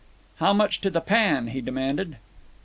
"How much to the pan?" he demanded.